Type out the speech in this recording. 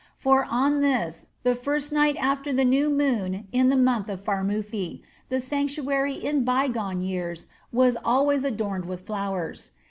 For on this, the first night after the new moon in the month of Pharmuthi, the sanctuary in bygone years was always adorned with flowers.